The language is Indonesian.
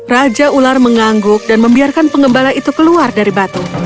raja ular mengangguk dan membiarkan pengembala itu keluar dari batu